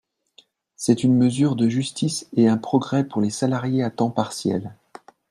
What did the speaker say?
C’est une mesure de justice et un progrès pour les salariés à temps partiel.